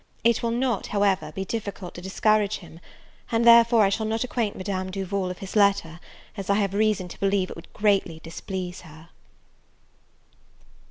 It will not, however, be difficult to discourage him; and therefore, I shall not acquaint Madame Duval of his letter, as I have reason to believe it would greatly displease her.